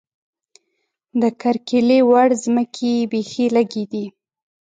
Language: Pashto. د کرکیلې وړ ځمکې یې بېخې لږې دي.